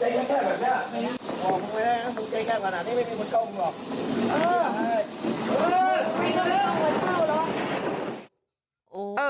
พวกเขาแบบนี้